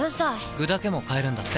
具だけも買えるんだって。